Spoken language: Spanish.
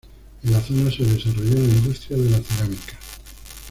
En la zona se desarrolló la industria de la cerámica.